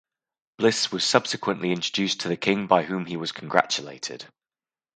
Bliss was subsequently introduced to the King by whom he was congratulated.